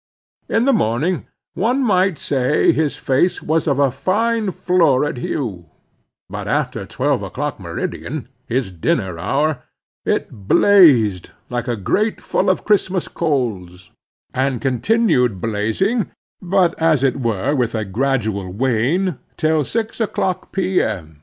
In the morning, one might say, his face was of a fine florid hue, but after twelve o'clock, meridian—his dinner hour—it blazed like a grate full of Christmas coals; and continued blazing—but, as it were, with a gradual wane—till 6 o'clock, P.M.